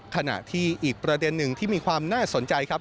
ขณะที่อีกประเด็นหนึ่งที่มีความน่าสนใจครับ